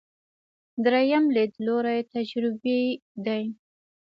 درېیم لیدلوری تجربي دی.